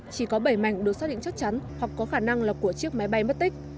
chỉ có bảy mảnh được xác định chắc chắn hoặc có khả năng là của chiếc máy bay mất tích